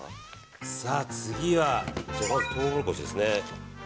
次は、トウモロコシですね。